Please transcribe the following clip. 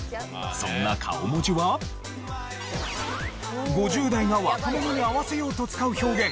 そんな顔文字は５０代が若者に合わせようと使う表現